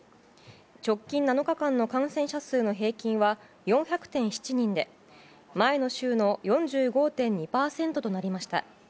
直近７日間の感染者数の平均は４００．７人で前の週の４５．２％となりました。